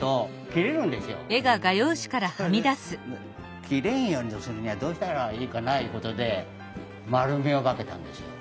それで切れんようにするにはどうしたらいいかないうことで円みをかけたんですよ。